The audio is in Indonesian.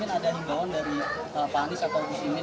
ada hibauan dari pak anies atau ibu cikgu dan lain lain